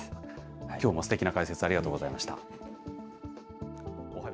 きょうもすてきな解説、ありがとうございました。